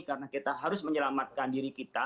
karena kita harus menyelamatkan diri kita